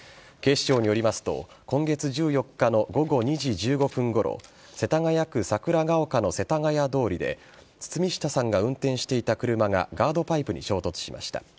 警視庁によりますと今月１４日の午後２時１５分ごろ世田谷区桜丘の世田谷通りで堤下さんが運転していた車がガードパイプに衝突しました。